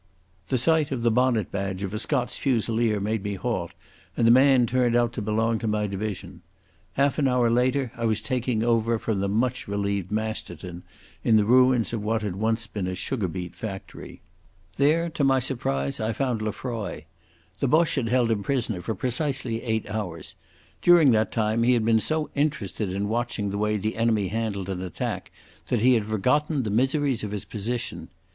The sight of the bonnet badge of a Scots Fusilier made me halt, and the man turned out to belong to my division. Half an hour later I was taking over from the much relieved Masterton in the ruins of what had once been a sugar beet factory. There to my surprise I found Lefroy. The Boche had held him prisoner for precisely eight hours. During that time he had been so interested in watching the way the enemy handled an attack that he had forgotten the miseries of his position.